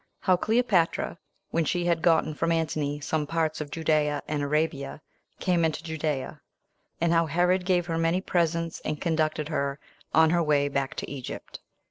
How Cleopatra, When She Had Gotten From Antony Some Parts Of Judea And Arabia Came Into Judea; And How Herod Gave Her Many Presents And Conducted Her On Her Way Back To Egypt.